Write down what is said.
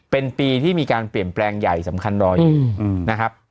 เป็นปีที่มีการเปลี่ยนแปลงใหญ่สำคัญรออยู่นะครับ